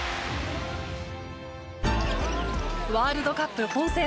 ワールドカップ本戦。